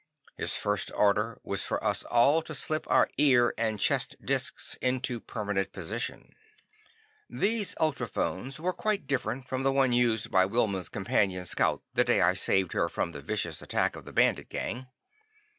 His first order was for us all to slip our ear and chest discs into permanent position. These ultrophones were quite different from the one used by Wilma's companion scout the day I saved her from the vicious attack of the bandit Gang.